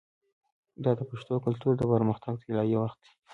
دا د پښتو کلتور د پرمختګ طلایی وخت دی.